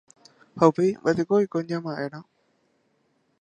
ha upéi mba’e oiko ña ma’érã